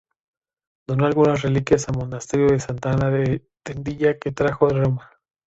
Donó algunas reliquias al Monasterio de Santa Ana de Tendilla que trajo de Roma.